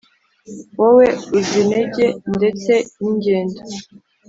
wowe unzi intege ndetse n ' ingendo